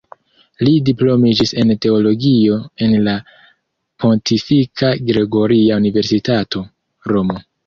Li diplomiĝis en teologio en la Pontifika Gregoria Universitato, Romo.